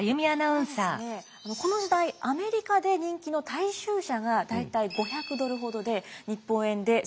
これですねこの時代アメリカで人気の大衆車が大体５００ドルほどで日本円で３００万円でした。